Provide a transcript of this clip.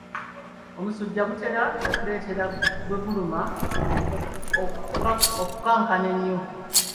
Omusujja gutera okuleetera gwe guluma okukankana ennyo.